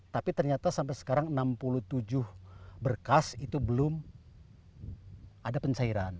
tapi ternyata sampai sekarang enam puluh tujuh berkas itu belum ada pencairan